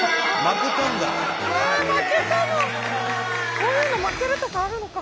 こういうの負けるとかあるのか。